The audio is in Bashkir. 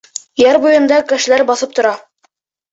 Яр буйында кешеләр баҫып тора.